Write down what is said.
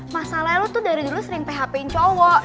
masalah lo tuh dari dulu sering php in cowok